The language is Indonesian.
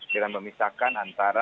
dengan memisahkan antara